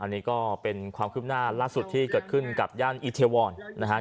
อันนี้ก็เป็นความคืบหน้าล่าสุดที่เกิดขึ้นกับย่านอีเทวอนนะครับ